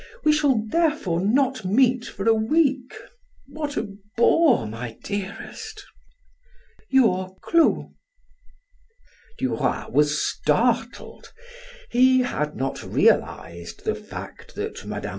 We shall therefore not meet for a week. What a bore, my dearest!" "YOUR CLO." Duroy was startled; he had not realized the fact that Mme.